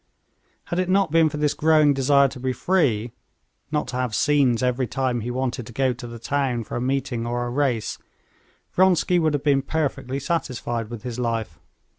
Had it not been for this growing desire to be free, not to have scenes every time he wanted to go to the town to a meeting or a race, Vronsky would have been perfectly satisfied with his life.